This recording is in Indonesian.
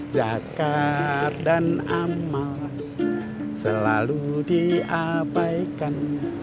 zakat dan amal selalu diabaikan